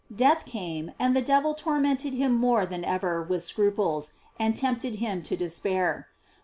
Death came, and the devil tormented him more than ever with scruples, and tempted him to despair.